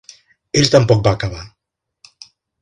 Ell tampoc va acabar.